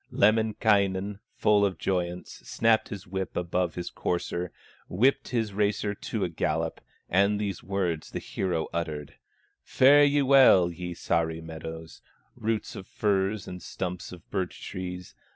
Lemminkainen, full of joyance, Snapped his whip above his courser, Whipped his racer to a gallop, And these words the hero uttered: "Fare ye well, ye Sahri meadows, Roots of firs, and stumps of birch trees.